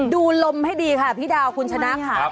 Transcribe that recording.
ดูลมให้ดีค่ะพี่ดาวคุณชนะค่ะ